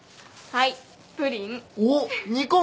はい？